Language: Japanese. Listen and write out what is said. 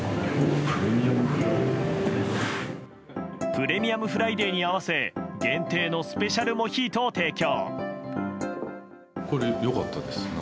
プレミアムフライデーに合わせ限定のスペシャルモヒートを提供。